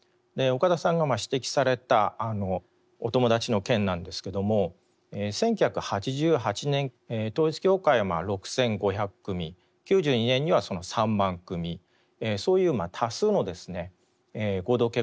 岡田さんが指摘されたお友達の件なんですけども１９８８年統一教会は６，５００組９２年には３万組そういう多数のですね合同結婚というのをやりました。